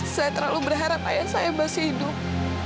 saya terlalu berharap ayah saya masih hidup